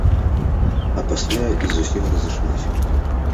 А пасля і зусім разышліся.